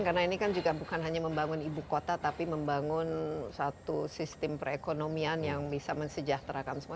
karena ini kan juga bukan hanya membangun ibu kota tapi membangun satu sistem perekonomian yang bisa mensejahterakan semua